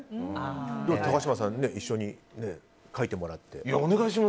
高嶋さんね一緒に書いてもらって。